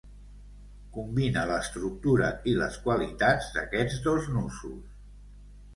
Combina l'estructura i les qualitats d'aquests dos nusos.